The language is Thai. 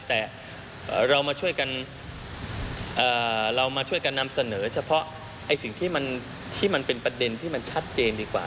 แต่เรามาช่วยกันนำเสนอเฉพาะไอ้สิ่งที่มันเป็นประเด็นที่มันชัดเจนดีกว่า